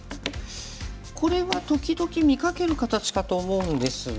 これは時々見かける形かと思うんですが。